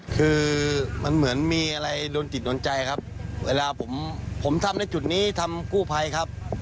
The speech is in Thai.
คือมันเหมือนมีอะไรโดนจิตโดนใจครับเวลาผมผมทำในจุดนี้ทำกู้ภัยครับ